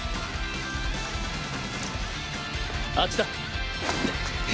あっちだ。